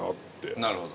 なるほど。